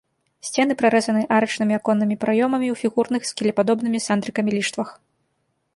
Сцены прарэзаны арачнымі аконнымі праёмамі ў фігурных з кілепадобнымі сандрыкамі ліштвах.